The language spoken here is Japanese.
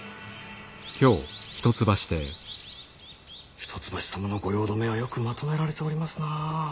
一橋様の御用留はよくまとめられておりますな。